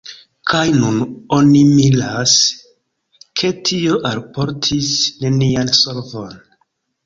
Kaj nun oni miras, ke tio alportis nenian solvon.